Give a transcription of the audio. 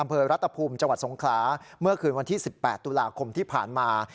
อำเภอรัตภูมิจังหวัดสงขลาเมื่อคืนวันที่๑๘ตุลาคมที่ผ่านมา